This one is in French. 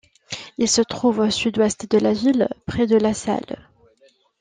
Il se trouve au sud-ouest de la ville, près de la Saale.